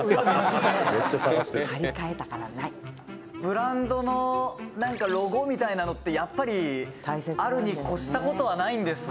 「ブランドのなんかロゴみたいなのってやっぱりあるに越した事はないんですね」